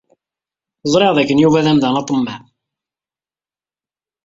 Ẓriɣ dakken Yuba d amdan aḍemmaɛ.